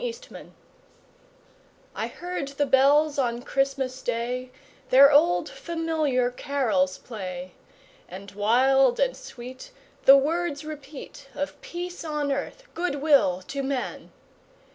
CHRISTMAS BELLS I heard the bells on Christmas Day Their old, familiar carols play, And wild and sweet The words repeat Of peace on earth, good will to men!